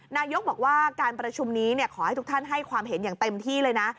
นายกบอกว่าการประชุมนี้ขอให้ทุกท่านให้ความเห็นอย่างเต็มที่เลยนะ